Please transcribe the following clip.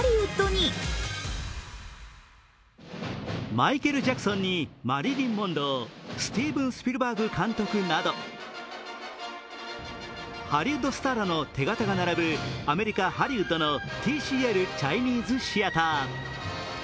マイケル・ジャクソンにマリリン・モンロースティーヴン・スピルバーグ監督などハリウッドスターらの手形が並ぶアメリカ・ハリウッドのＴＣＬチャイニーズ・シアター。